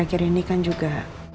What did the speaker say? akhir ini kan juga